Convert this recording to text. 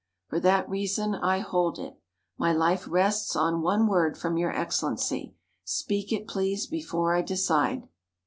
For that reason I hold it. My life rests on one word from your Excellency. Speak it, please, before I decide."